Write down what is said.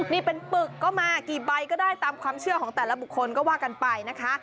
นี่เป็นปึกก็มากี่ใบก็ได้ตามความเชื่อของแต่ละบุคคลก็ว่ากันไปนะคะ